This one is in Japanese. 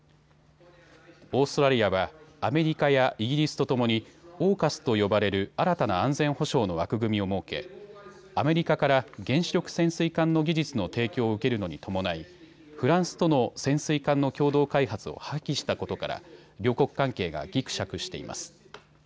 オーストラリアは、アメリカやイギリスとともにＡＵＫＵＳと呼ばれる新たな安全保障の枠組みを設けアメリカから原子力潜水艦の技術の提供を受けるのに伴いフランスとの潜水艦の共同開発を破棄したことから両国関係がぎくしゃくしています。